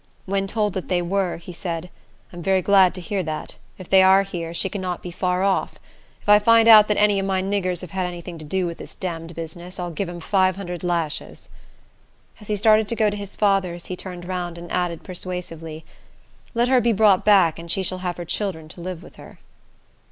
When told that they were, he said, "I am very glad to hear that. If they are here, she cannot be far off. If I find out that any of my niggers have had any thing to do with this damned business, I'll give 'em five hundred lashes." As he started to go to his father's, he turned round and added, persuasively, "Let her be brought back, and she shall have her children to live with her."